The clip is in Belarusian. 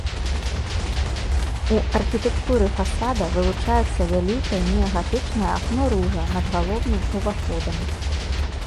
У архітэктуры фасада вылучаецца вялікае неагатычнае акно-ружа над галоўным уваходам.